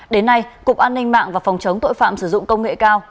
đến nay cục an ninh mạng và phòng chống tội phạm sử dụng công nghệ cao